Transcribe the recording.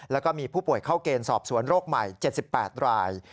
แล้วก็มีผู้ป่วยเข้าเกณฑ์สอบสวนโรคใหม่๗๘ราย